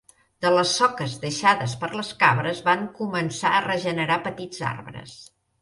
De les soques deixades per les cabres van començar a regenerar petits arbres.